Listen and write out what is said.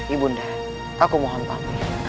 ibu nda aku mohon pamit